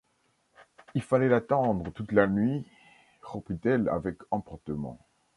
Il fallait l’attendre toute la nuit ! reprit-elle avec emportement.